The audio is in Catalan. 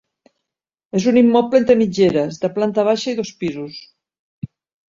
És un immoble entre mitgeres, de planta baixa i dos pisos.